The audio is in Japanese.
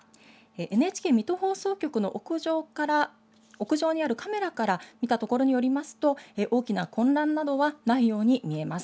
ＮＨＫ水戸放送局の屋上にあるカメラから見たところによりますと大きな混乱などはないように見えます。